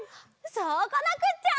そうこなくっちゃ！